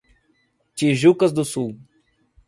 Tijucas do Sul